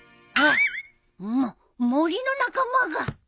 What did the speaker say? あっ！も森の仲間が。